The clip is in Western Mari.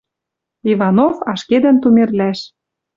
Иванов ашкедӹн Тумерлӓш.